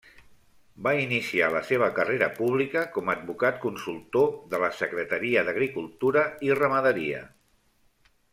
Va iniciar la seva carrera pública com advocat consultor de la Secretaria d'Agricultura i Ramaderia.